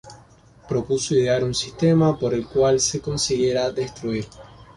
propuso idear un sistema por el cual se consiguiera destruir